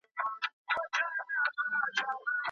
مامور د ده د خبرو تر اغېز لاندې راغی او اجازه یې ورکړه.